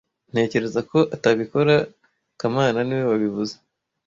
Ntekereza ko atabikora kamana niwe wabivuze